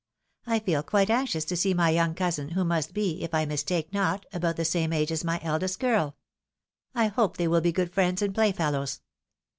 I feel quite anxious to see my young cousin, who must be, if I mistake not, about the same age as my eldest girl. I hope they will be good friends and playfellows.